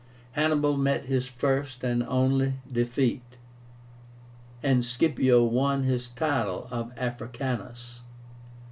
Hannibal met his first and only defeat, and Scipio won his title of AFRICÁNUS.